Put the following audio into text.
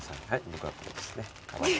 僕はこれですね。